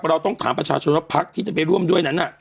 เราต้องถามประชาชนว่าพักที่จะไปร่วมด้วยนั้น